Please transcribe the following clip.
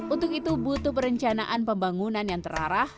untuk itu butuh perencanaan pembangunan yang terarah